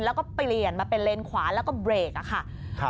แล้วก็เปลี่ยนมาเป็นเลนขวาแล้วก็เบรกอะค่ะ